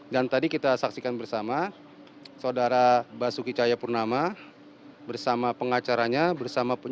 dan tadi kita saksikan bersama saudara basuki cahaya purnama bersama pengacaranya bersama penyidik